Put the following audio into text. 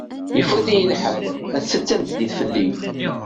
Ifut-iyi lḥal, assa d tameddit fell-i.